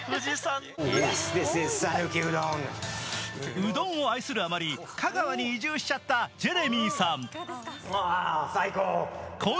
うどんを愛するあまり香川に移住しちゃったジェレミーさん。